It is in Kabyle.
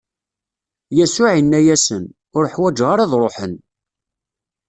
Yasuɛ inna-asen: Ur ḥwaǧen ara ad ṛuḥen.